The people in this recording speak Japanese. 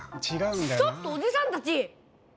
「ちょっとおじさんたち！」。